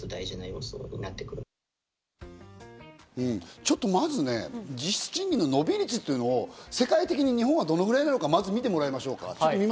ちょっと、まずね、実質賃金の伸び率というのを世界的に日本がどのくらいなのか見てみましょう。